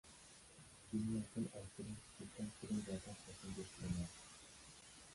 তিনি একজন অর্থোডক্স খ্রিস্টান ছিলেন যা তার পছন্দ ছিলনা।